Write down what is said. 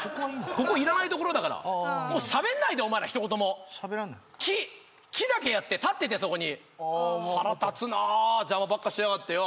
ここいらないところだからもうしゃべんないでお前ら一言もしゃべらない木木だけやって立っててそこにああ分かった腹立つな邪魔ばっかしやがってよ